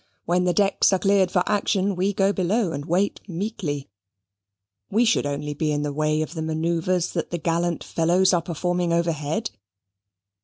When the decks are cleared for action we go below and wait meekly. We should only be in the way of the manoeuvres that the gallant fellows are performing overhead.